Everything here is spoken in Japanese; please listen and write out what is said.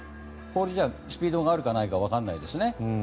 これではスピードがあるかどうかわからないですね。